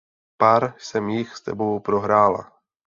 Pár jsem jich s tebou prohrála.